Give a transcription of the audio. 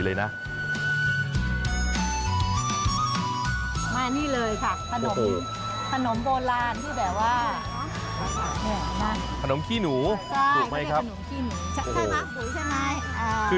จริงถ้าถามพี่ว่าให้แนะนำอะไรโอ้โฮมีเยอะมาก